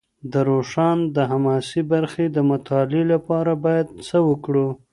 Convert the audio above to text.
د روښان د حماسي برخې د مطالعې لپاره باید څه وکړو؟